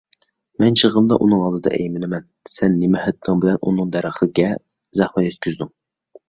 مەن چېغىمدا ئۇنىڭ ئالدىدا ئەيمىنىمەن، سەن نېمە ھەددىڭ بىلەن ئۇنىڭ دەرىخىگە زەخمەت يەتكۈزدۈڭ؟